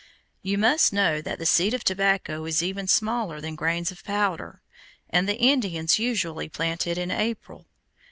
You must know that the seed of tobacco is even smaller than grains of powder, and the Indians usually plant it in April.